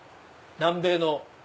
南米の。